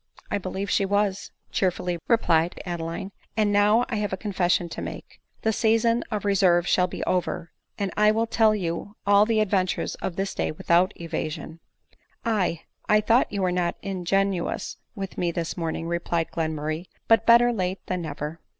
" I believe she was," cheerfully replied Adeline, " and now I have a confession to make ; the season of reserve shall be'over, and 1 will tell you all the adventures of this day without evasion" " Aye, I thought you were not ingenuous with me this morning," replied Glenmurray; "but better late than never.